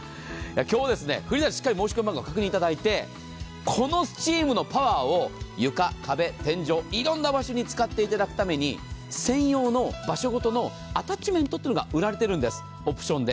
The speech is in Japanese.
今日はフリーダイヤルしっかり申し込み番号確認いただいてこのスチームのパワーを床、壁、天井いろんなところに使っていただくために専用の場所ごとのアタッチメントというのが売られているんです、オプションで。